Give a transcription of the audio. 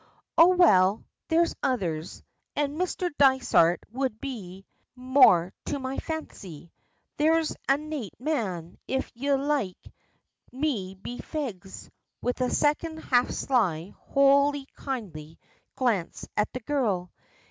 "Oh, well, there's others! An' Mr. Dysart would be more to my fancy. There's a nate man, if ye like, be me fegs!" with a second half sly, wholly kindly, glance at the girl.